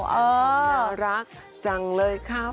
แฟนผมน่ารักจังเลยครับ